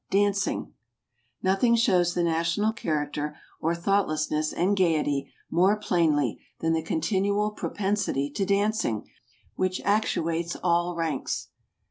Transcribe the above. Dancing . Nothing shows the national character, or thoughtlessness and gayety, more plainly, than the continual propensity to dancing, which ac¬ tuates all ranks.